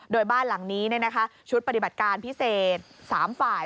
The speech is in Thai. โดยบ้านหลังนี้ชุดปฏิบัติการพิเศษ๓ฝ่าย